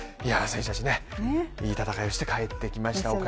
選手たち、いい戦いをして帰ってきました。